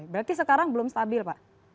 berarti sekarang belum stabil pak